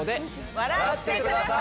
笑ってください！